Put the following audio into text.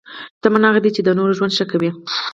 شتمن هغه دی چې د نورو ژوند ښه کوي.